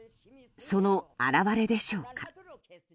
その表れでしょうか。